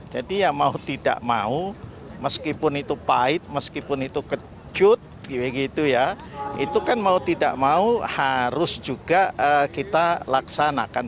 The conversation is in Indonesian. jadi ya mau tidak mau meskipun itu pahit meskipun itu kejut itu kan mau tidak mau harus juga kita laksanakan